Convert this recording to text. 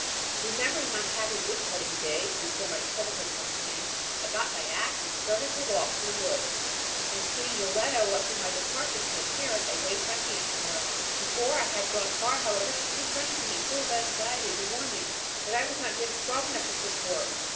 Remembering my happy wood cutting days, before my trouble had come to me, I got my ax and started to walk to the wood; then seeing Yoletta watching my departure from the terrace, I waved my hand to her. Before I had gone far, however, she came running to me, full of anxiety, to warn me that I was not yet strong enough for such work.